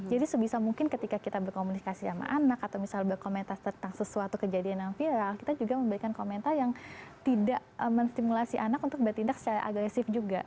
jadi sebisa mungkin ketika kita berkomunikasi sama anak atau misalnya berkomentar tentang sesuatu kejadian yang viral kita juga memberikan komentar yang tidak menstimulasi anak untuk bertindak secara agresif juga